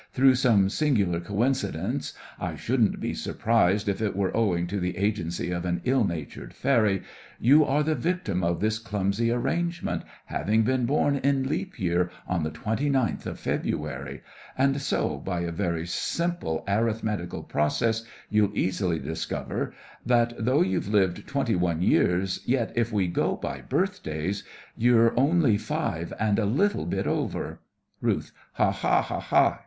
Through some singular coincidence— I shouldn't be surprised if it were owing to the agency of an ill natured fairy— You are the victim of this clumsy arrangement, having been born in leap year, on the twenty ninth of February; And so, by a simple arithmetical process, you'll easily discover, That though you've lived twenty one years, yet, if we go by birthdays, you're only five and a little bit over! RUTH: Ha! ha! ha! ha!